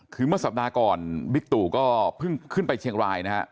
คือเมื่อสัปดาห์ก่อนบิ๊กตู่ก็เพิ่งขึ้นไปเชียงรายนะฮะ